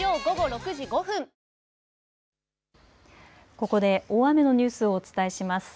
ここで大雨のニュースをお伝えします。